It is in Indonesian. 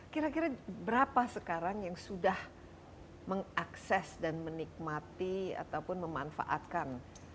kira kira berapa sekarang yang sudah mengakses dan menikmati ataupun memanfaatkan